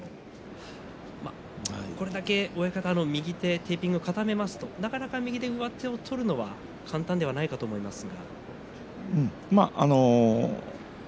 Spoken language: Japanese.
これだけ右手をテーピングで固めますとなかなか右手で上手を取るのが簡単ではないと思いますが。